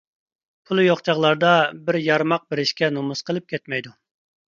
پۇلى يوق چاغلاردا بىر يارماق بېرىشكە نومۇس قىلىپ كەتمەيدۇ.